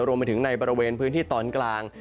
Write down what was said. รวมไปถึงในบริเวณพื้นที่ตอนกลาง